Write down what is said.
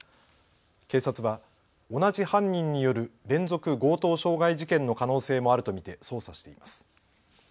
警察は同じ犯人による連続強盗傷害事件の可能性もあると見て捜査しています。